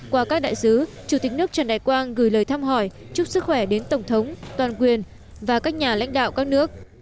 qua các đại sứ chủ tịch nước trần đại quang gửi lời thăm hỏi chúc sức khỏe đến tổng thống toàn quyền và các nhà lãnh đạo các nước